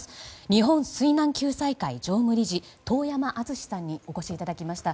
日本水難救済会常務理事遠山純司さんにお越しいただきました。